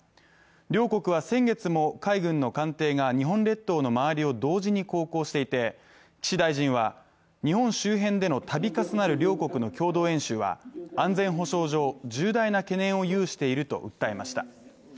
両国は先月も海軍の艦艇が日本列島の周りを同時に航行していて岸大臣は日本周辺での度重なる両国の共同演習は安全保障上、重大な懸念を有していると訴えました。